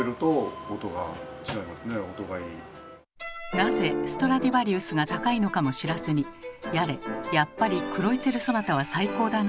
なぜストラディヴァリウスが高いのかも知らずにやれ「やっぱり『クロイツェルソナタ』は最高だな」